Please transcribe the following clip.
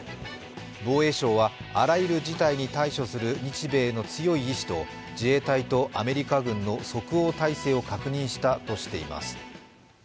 防衛省は、あらゆる事態に対処する日米の強い意志と自衛隊とアメリカ軍の即応態勢を確認したとしています。